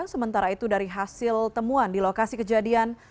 sementara itu dari hasil temuan di lokasi kejadian